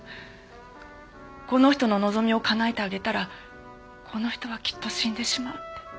この人の望みをかなえてあげたらこの人はきっと死んでしまう。